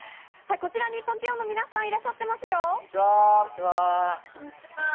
こちらＴＯＫＩＯの皆さんがいらっしゃってますよ。